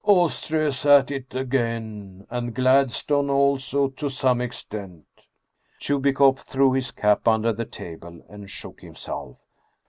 " Austria is at it again ! And Gladstone also to some extent " Chubikoff threw his cap under the table, and shook him self.